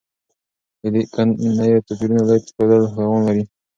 د ليکنيو توپيرونو لوی ښودل تاوان لري.